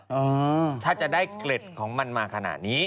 ถ้าจะได้เกล็ดของมันมาขนาดนี้